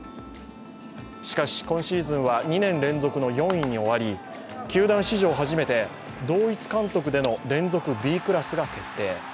しかし、今シーズンは２年連続の４位に終わり球団史上初めて、同一監督での連続Ｂクラスが決定。